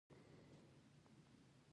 که د درمل په تزریق سره کافر شي.